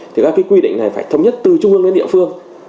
thì các cái quy định này phải thống nhất từ trung ương đến địa phương